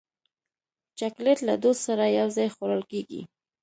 چاکلېټ له دوست سره یو ځای خوړل کېږي.